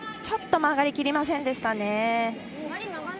ちょっと曲がりきりませんでしたね。